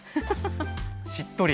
しっとり。